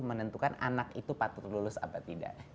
menentukan anak itu patut lulus apa tidak